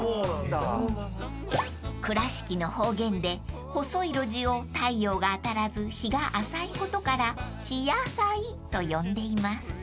［倉敷の方言で細い路地を太陽が当たらず日が浅いことから「ひやさい」と呼んでいます］